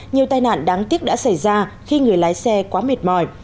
nhiều tai nạn đáng tiếc đã xảy ra khi người lái xe quá mệt mỏi